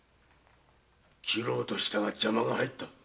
斬ろうとしたが邪魔が入った。